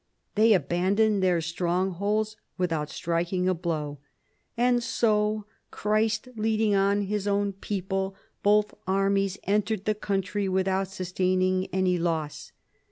They abandoned their strongholds without striking a blow, " and so, Christ leading on his own people, both armies entered the country without sustaining any loss."